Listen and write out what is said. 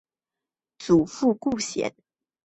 祖父顾显。